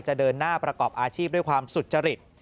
เดินหน้าประกอบอาชีพด้วยความสุจริต